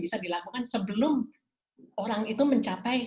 bisa dilakukan sebelum orang itu mencapai